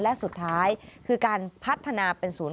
และสุดท้ายคือการพัฒนาเป็นศูนย์